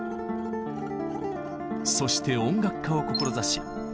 そして音楽家を志し